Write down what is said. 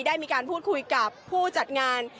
ได้มีการพูดคุยกับผู้จัดงาน